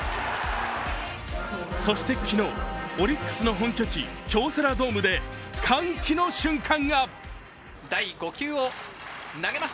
そして昨日、オリックスの本拠地、京セラドームで歓喜の瞬間が。